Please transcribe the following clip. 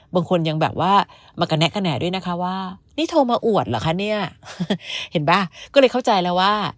บางคนยังแบบว่ามากระแนะกระแหน่ด้วยนะคะว่านี่โทรมาอวดเหรอคะเนี่ยเห็นป่ะก็เลยเข้าใจแล้วว่า